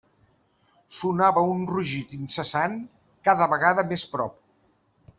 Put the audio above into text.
Sonava un rugit incessant cada vegada més prop.